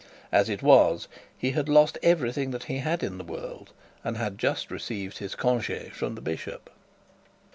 As it was he had lost everything that he had in the world, and had just received his conge from the bishop.